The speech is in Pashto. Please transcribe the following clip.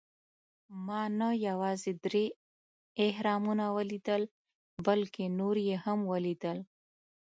ما نه یوازې درې اهرامونه ولیدل، بلکې نور یې هم ولېدل.